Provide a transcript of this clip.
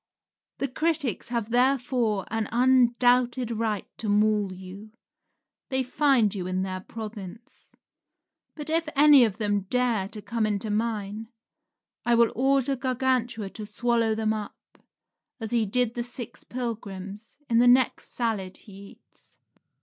The critics have therefore an undoubted right to maul you; they find you in their province. But if any of them dare to come into mine, I will order Gargantua to swallow them up, as he did the six pilgrims, in the next salad he eats.